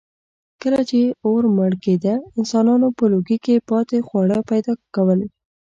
کله چې اور مړ کېده، انسانانو په لوګي کې پاتې خواړه پیدا کول.